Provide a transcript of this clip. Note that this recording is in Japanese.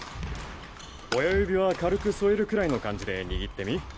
親指は軽く添えるくらいの感じで握ってみ。